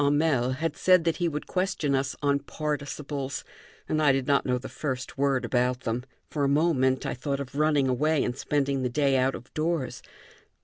Hamel had said that he would question us on participles, and I did not know the first word about them. For a moment I thought of running away and spending the day out of doors.